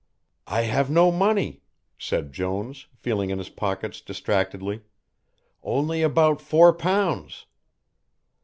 "I have no money," said Jones, feeling in his pockets distractedly, "only about four pounds."